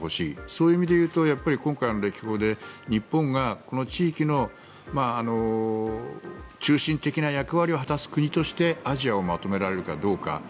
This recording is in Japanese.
そういう意味で言うとやっぱり今回の歴訪で日本がこの地域の中心的な役割を果たす国としてアジアをまとめられるかどうか。